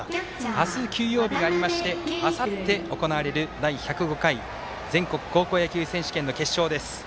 明日、休養日がありましてあさって行われる第１０５回全国高校野球選手権の決勝です。